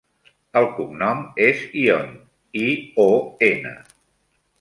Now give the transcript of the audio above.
El cognom és Ion: i, o, ena.